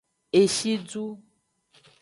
Eshidu.